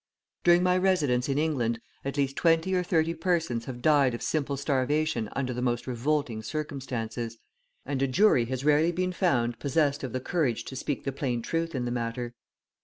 During my residence in England, at least twenty or thirty persons have died of simple starvation under the most revolting circumstances, and a jury has rarely been found possessed of the courage to speak the plain truth in the matter.